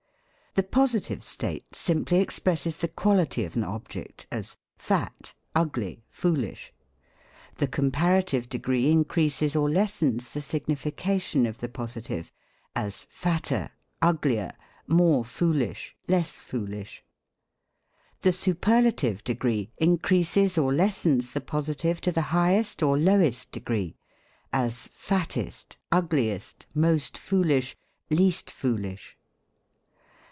The Positive state simply expresses the quality of an object ; as, fat, ugly, foolish. The Comparative degree increases or lessens the ETYMOLOGY. 59 signification of the positive ; as fatter, uglier, more foolish, less foolish. The Superlative decree increases or lessens the posi tive to the highest or lowest degree ; as fattest, ugliest, most foolish, least foolish.